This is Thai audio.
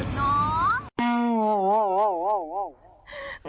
น้อง